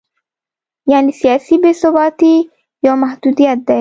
یعنې سیاسي بې ثباتي یو محدودیت دی.